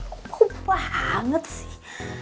keku banget sih